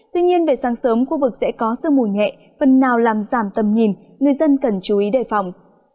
tuy nhiên về sáng sớm khu vực sẽ có sương mù nhẹ phần nào làm giảm tầm nhìn người dân cần chú ý đề phòng